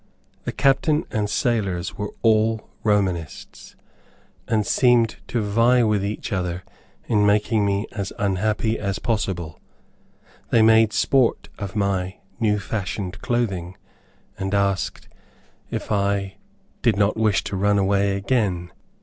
The captain and sailors were all Romanists, and seemed to vie with each other in making me as unhappy as possible They made sport of my "new fashioned clothing," and asked if I "did not wish to run away again?"